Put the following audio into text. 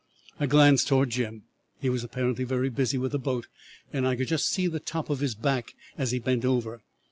I glanced towards Jim; he was apparently busy with the boat, and I could just see the top of his back as he bent over.